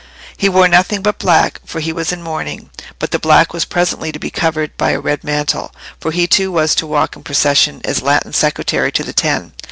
He wore nothing but black, for he was in mourning; but the black was presently to be covered by a red mantle, for he too was to walk in procession as Latin Secretary to the Ten.